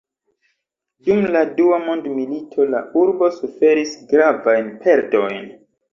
Dum la dua mondmilito la urbo suferis gravajn perdojn.